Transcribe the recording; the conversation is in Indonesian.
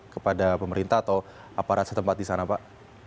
kepada pemerintah atau aparat setempat di sana pak